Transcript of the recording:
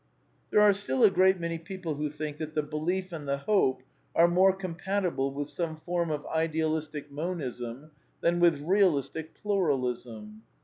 There are still a great many people who think that the Belief and the Hope are more compatible with some form of Idealistic Monism " than with " Realistic Pluralism."